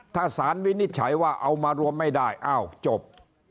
ถ้าสารวินิจฉัยว่าเอามารวมไม่ได้อ้าวจบ